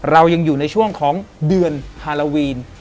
เรายังอยู่ในช่วงของเดือนฮาโลวีน